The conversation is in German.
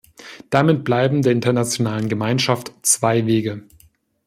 Damit bleiben der internationalen Gemeinschaft zwei Wege.